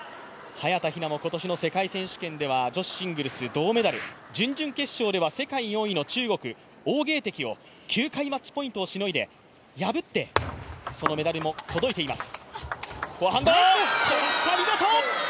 早田ひなも今年の世界選手権では女子シングルス銅メダル準々決勝では世界４位の中国、王ゲイ迪を９回マッチポイントをしのいで、破って、そのメダルも届いています